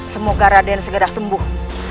semoga raden segera sembuh